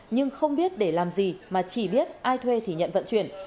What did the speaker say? nhưng không biết để làm gì mà chỉ biết ai thuê thì nhận vận chuyển